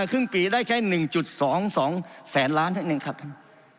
ครึ่งปีได้แค่๑๒๒แสนล้านเท่านั้นเองครับท่าน